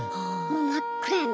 もう真っ暗闇。